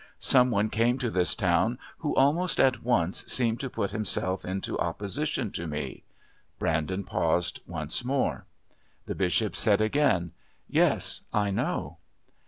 Some one came to this town who almost at once seemed to put himself into opposition to me." Brandon paused once more. The Bishop said again: "Yes, I know."